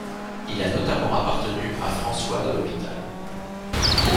Il a notamment appartenu à François de L'Hospital.